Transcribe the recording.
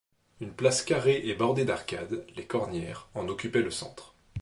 Une place carrée et bordée d'arcades, les cornières, en occupait le centre.